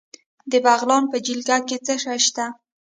د بغلان په جلګه کې څه شی شته؟